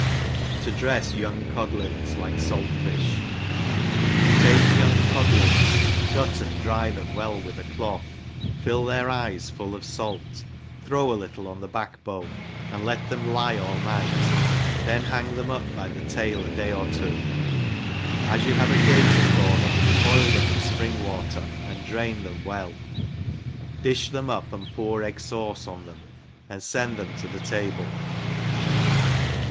To drefs young Codlins like Salt Fish. Take young codlins, gut and dry them well with a cloth, ^11 their eyes full of fait, throw a little on the back bone, and let theox lie all night, then hang them up by the tail a day or two; as )ou have occaiion for them, boil them in fpring water* and drain them Well, difti them up, and pour egg fauce on them, an4 fend them to the table.